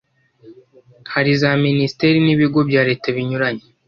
hariza minisiterin'ibigo bya leta binyuranye